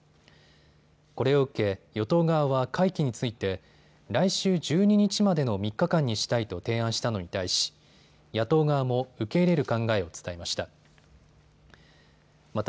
これを受け与党側は会期について来週１２日までの３日間にしたいと提案したのに対し野党側も受け入れる考えを伝えました。